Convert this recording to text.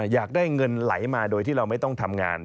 อยากได้เงินไหลมาโดยที่เราไม่ต้องทำงาน